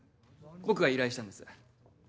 僕が依頼したんです。